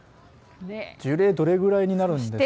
樹齢どのぐらいになるんでしょうかね。